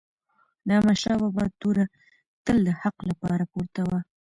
د احمدشاه بابا توره تل د حق لپاره پورته وه.